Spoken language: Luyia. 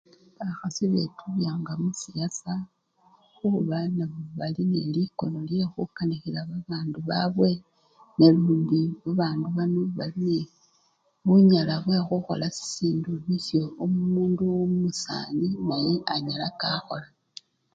Bakhasi betubanga musiyasa khuba nabo bali nelikono lyekhukanikhila babandu babwe nalundi babandu bano bali nebunyala bwe khukhola sisindu nisyo omundu umusani naye anyala kakhola.